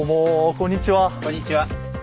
こんにちは。